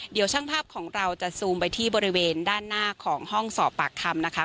เดี๋ยวช่างภาพของเราจะซูมไปที่บริเวณด้านหน้าของห้องสอบปากคำนะคะ